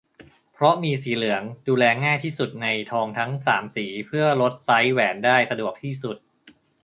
เพราะมีสีเหลือง ดูแลง่ายที่สุดในทองทั้ง สาม สี เพิ่มลดไซซ์แหวนได้สะดวกที่สุด